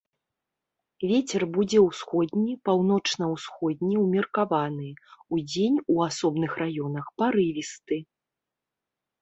Вецер будзе ўсходні, паўночна-ўсходні ўмеркаваны, удзень у асобных раёнах парывісты.